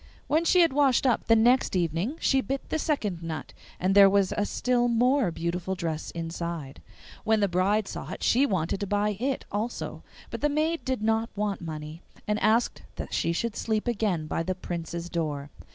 When she had washed up the next evening she bit the second nut, and there was a still more beautiful dress inside. When the bride saw it she wanted to buy it also. But the maid did not want money, and asked that she should sleep again by the Prince's door.